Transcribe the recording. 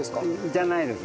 じゃないです。